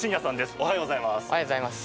おはようございます。